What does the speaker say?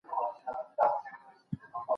که غواړئ عالم شئ له عالمانو سره کښېنۍ.